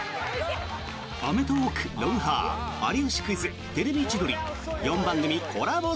「アメトーーク×ロンハー×有吉クイズ×テレビ千鳥」４番組コラボ